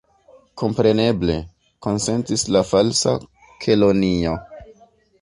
"Kompreneble," konsentis la Falsa Kelonio.